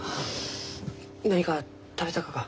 何か食べたがか？